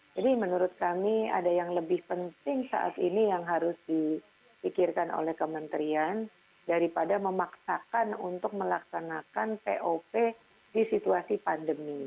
jadi menurut kami ada yang lebih penting saat ini yang harus dipikirkan oleh kementerian daripada memaksakan untuk melaksanakan pop di situasi pandemi